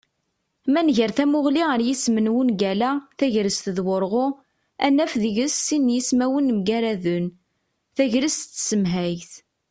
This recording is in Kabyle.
Ma nger tamuγli ar yisem n wungal-a "tagrest d wurγu", ad naf deg-s sin yismawen mgaraden: tegrest d tasemhayt